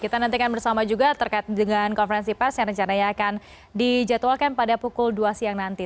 kita nantikan bersama juga terkait dengan konferensi pers yang rencananya akan dijadwalkan pada pukul dua siang nanti